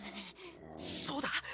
そうだ！